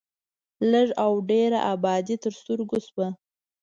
لږ او ډېره ابادي تر سترګو شوه.